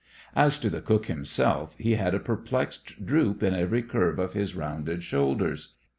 As to the cook himself, he had a perplexed droop in every curve of his rounded shoulders.